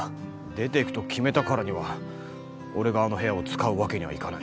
出てくと決めたからには俺があの部屋を使うわけにはいかない。